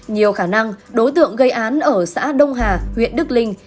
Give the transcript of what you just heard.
nhiều khả năng đối tượng gây án ở xã đông hà huyện đức linh